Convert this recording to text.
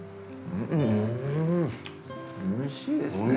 ◆おいしいですね。